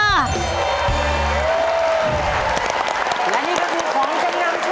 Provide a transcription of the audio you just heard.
และนี่ก็คือของจำนำ